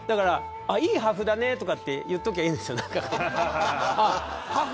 いい破風だねとか言っとけばいいんですよ。